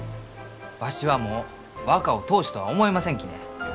わしはもう若を当主とは思いませんきね。